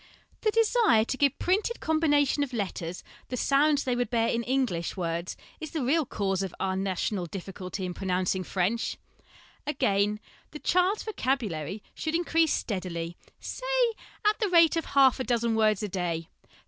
The desire to give printed combina tions of letters the sounds they would bear in English words is the real cause of our national difficulty in pronouncing French. Again, the child's vocabulary should increase steadily, say, at the rate of half a dozen words a day.